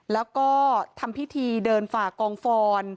แล้วก็ทำพิธีเดินฝ่ากองฟอน